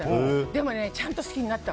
でもね、ちゃんと好きになった。